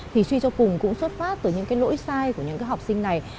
thì suy cho cùng cũng xuất phát từ những cái lỗi sai của những cái học sinh này